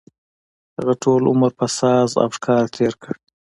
هغه ټول عمر په ساز او ښکار تېر کړ.